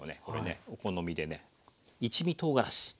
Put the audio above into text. これねお好みでね一味とうがらし。